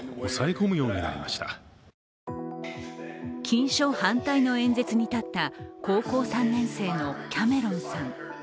禁書反対の演説に立った高校３年生のキャメロンさん。